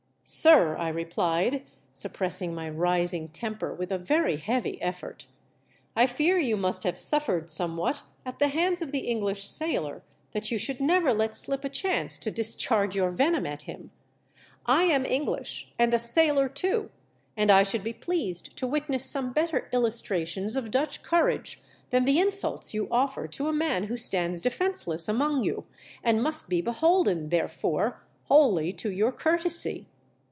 "Sir." I replied, suppressing my rising temper with a very heavy effort, " I fear you must have suffered somewhat at the hands of the English sailor that you should never let slip a chance to discharge your venom at him. I am English, and a sailor, too, and I should be pleased to witness some better illustrations of Dutch courage than the insults you offer to a man who stands defenceless among you, and must be be holden, therefore, wholly to your courtesy."